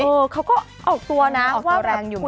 เออเขาก็ออกตัวนะออกตัวแรงอยู่กัน